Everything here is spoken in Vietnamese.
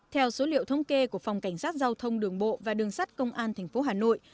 theo số liệu thống kê của phòng cảnh sát giao thông đường bộ và đường sắt công an tp hà nội